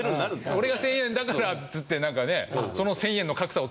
俺が１０００円だからっつってなんかね。